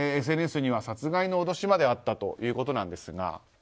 ＳＮＳには殺害の脅しまであったということなんですが。